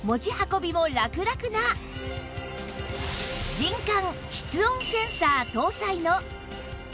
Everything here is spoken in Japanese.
人感・室温センサー搭載の